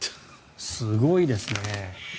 すごいですね。